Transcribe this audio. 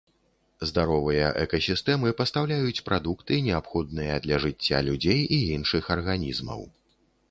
Здаровыя экасістэмы пастаўляюць прадукты, неабходныя для жыцця людзей і іншых арганізмаў.